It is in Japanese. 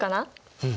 うん！